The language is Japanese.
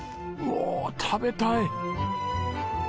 おお食べたい！